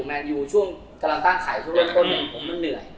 แมนอยู่ช่วงกำลังตั้งไข่ช่วงนึง